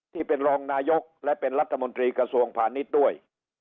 ที่เป็นรองนายกและเป็นรัฐมนตรีกระทรวงพาณิชย์ด้วย